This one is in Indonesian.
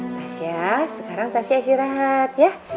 tasya sekarang tasya istirahat ya